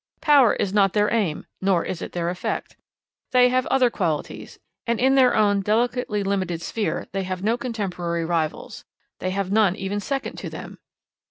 Power is not their aim, nor is it their effect. They have other qualities, and in their own delicately limited sphere they have no contemporary rivals; they have none even second to them.